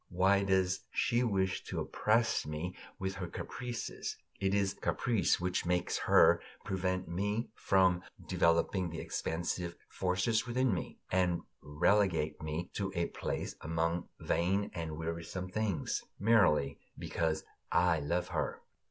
Why does she wish to oppress me with her caprices? It is caprice which makes her prevent me from developing the expansive forces within me, and relegate me to a place among vain and wearisome things, merely because I love her.